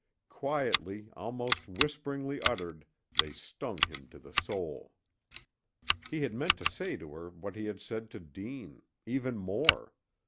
Quietly, almost whisperingly uttered, they stung him to the soul. He had meant to say to her what he had said to Deane even more.